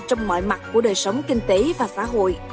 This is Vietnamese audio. trong mọi mặt của đời sống kinh tế và xã hội